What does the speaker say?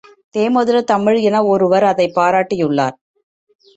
தேமதுரத் தமிழ் என ஒருவர் அதைப் பாராட்டியுள்ளார்.